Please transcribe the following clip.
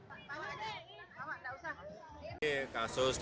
baik nuril menanggung kemasukan